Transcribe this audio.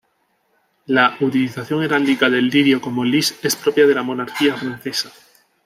La utilización heráldica del lirio como "lis" es propia de la monarquía francesa.